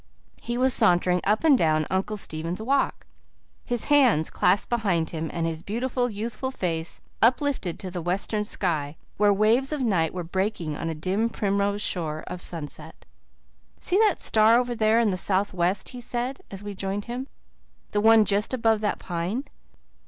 He was sauntering up and down Uncle Stephen's Walk, his hands clasped behind him and his beautiful, youthful face uplifted to the western sky where waves of night were breaking on a dim primrose shore of sunset. "See that star over there in the south west?" he said, as we joined him. "The one just above that pine?